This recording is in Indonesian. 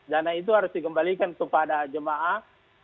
dana itu harus dikembalikan kepada jemaah